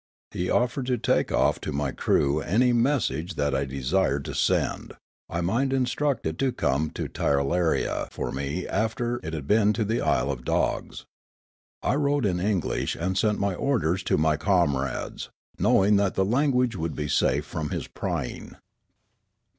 He offered to take off to my crew any message that I ii6 Riallaro desired to send ; I might instruct it to come to Tirralaria for me after it had been to the isle of dogs. I wrote in English, and sent my orders to ray comrades, knowing that the language would be safe from his prying.